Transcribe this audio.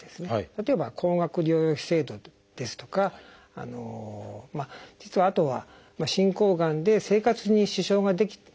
例えば高額療養費制度ですとか実はあとは進行がんで生活に支障があってですね